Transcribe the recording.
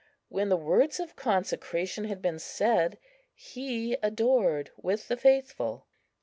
When the words of consecration had been said, he adored with the faithful.